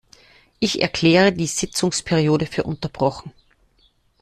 Ich erkläre die Sitzungsperiode für unterbrochen.